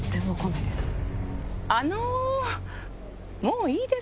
あの。